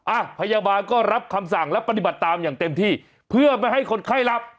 อ่ะพยาบาลก็รับคำสั่งและปฏิบัติตามอย่างเต็มที่เพื่อไม่ให้คนไข้หลับ